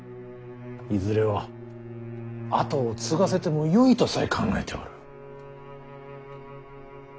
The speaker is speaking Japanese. いずれは跡を継がせてもよいとさえ考えておる。